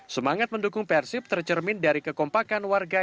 semangat mendukung persib tercermin dari kekompakan warga